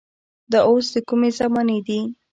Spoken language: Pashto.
دا اوس د کومې زمانې دي.